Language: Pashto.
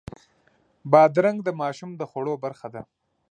بادرنګ د ماشوم د خوړو برخه ده.